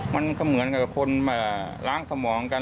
มันก็เหมือนกับคนล้างสมองกัน